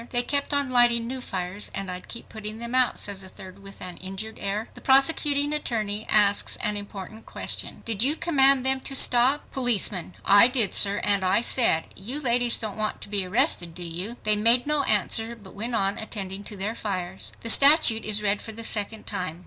"They kept on lighting new fires, and I'd keep putting them out," says a third with an injured air. The prosecuting attorney asks an important question, "Did you command them to stop?" Policeman—"I did sir, and I said, 'You ladies don't want to be arrested do you?' They made no answer but went on attending to their fires." The statute is read for the second time.